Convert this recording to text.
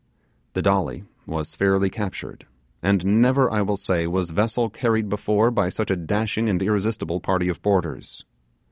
The Dolly was fairly captured; and never I will say was vessel carried before by such a dashing and irresistible party of boarders!